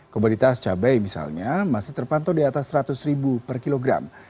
komoditas cabai misalnya masih terpantau di atas seratus ribu per kilogram